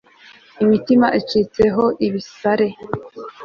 imitima icitse ho ibisare